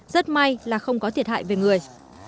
rất may là không có thiệt hại về người